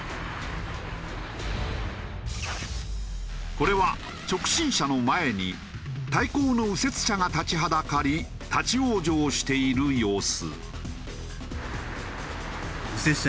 これは直進車の前に対向の右折車が立ちはだかり立ち往生している様子。